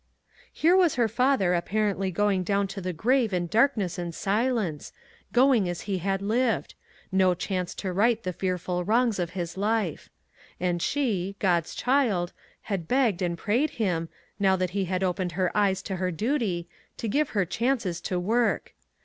Here was her father apparently going down to the grave in darkness and silence ; going as he had lived ; no chance to right the fearful wrongs of his life. And she, God's child, had begged and prayed him, now that he had opened her eyes to her duty, to give her chances to work